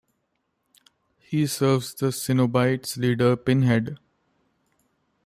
He serves the Cenobites' leader Pinhead.